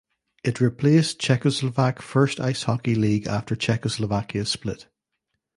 It replaced Czechoslovak First Ice Hockey League after Czechoslovakia split.